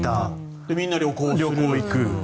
で、みんな旅行行く。